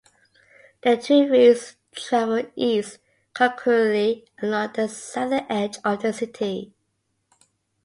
The two routes travel east concurrently along the southern edge of the city.